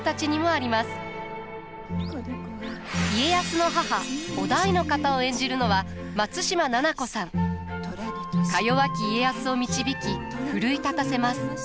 家康の母於大の方を演じるのは松嶋菜々子さん。かよわき家康を導き奮い立たせます。